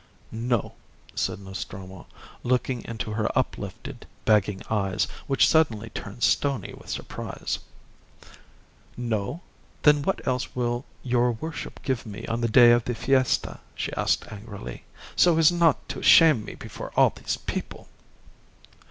"No," said Nostromo, looking into her uplifted, begging eyes, which suddenly turned stony with surprise. "No? Then what else will your worship give me on the day of the fiesta?" she asked, angrily; "so as not to shame me before all these people."